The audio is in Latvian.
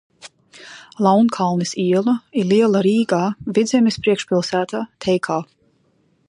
Launkalnes iela ir iela Rīgā, Vidzemes priekšpilsētā, Teikā.